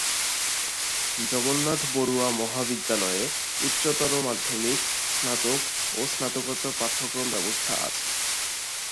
জগন্নাথ বড়ুয়া মহাবিদ্যালয়ে উচ্চতর মাধ্যমিক, স্নাতক ও স্নাতকোত্তর পাঠ্যক্রম ব্যবস্থা আছে।